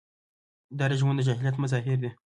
دا رژیمونه د جاهلیت مظاهر دي.